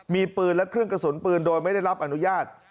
มีปืนและเครื่องกระสุนปืนโดยไม่ได้รับอนุญาต